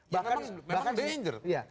ya memang danger